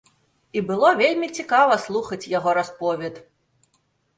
І было вельмі цікава слухаць яго расповед.